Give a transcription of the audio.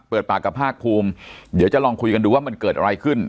เปิดปากกับภาคภูมิเดี๋ยวจะลองคุยกันดูว่ามันเกิดอะไรขึ้น